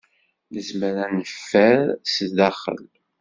Nezmer ad neffer sdaxel.